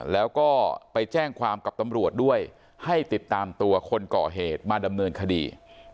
แล้วก็ไปแจ้งความกับตำรวจด้วยให้ติดตามตัวคนก่อเหตุมาดำเนินคดี